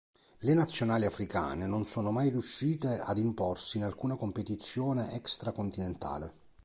Le nazionali africane non sono mai riuscite ad imporsi in alcuna competizione extra-continentale.